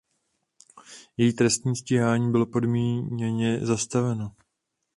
Její trestní stíhání bylo podmíněně zastaveno.